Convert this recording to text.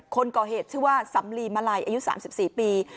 คนก่อเหตุชื่อว่าสำลีมาลัยอายุ๓๔ปี